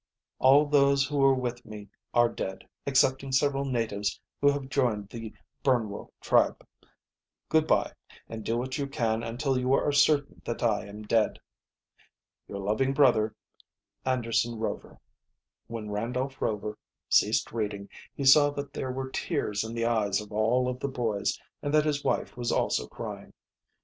"All those who were with me are dead excepting several natives who have joined the Burnwo tribe. "Good by, and do what you can until you are certain that I am dead. "Your loving brother, "ANDERSON ROVER" When Randolph Rover ceased reading he saw that there were tears in the eyes of all of the boys, and that his wife was also crying.